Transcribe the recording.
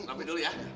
ambil dulu ya